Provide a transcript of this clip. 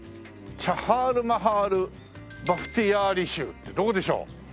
「チャハールマハール・バフティヤーリー州」ってどこでしょう？